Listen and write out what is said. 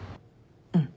うん。